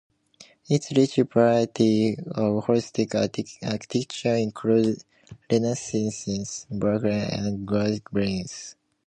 Its rich variety of historic architecture includes Renaissance, Baroque and Gothic buildings.